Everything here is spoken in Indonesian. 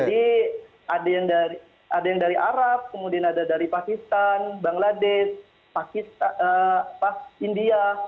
jadi ada yang dari arab kemudian ada dari pakistan bangladesh india